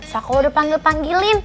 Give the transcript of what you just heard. saku udah panggil panggilin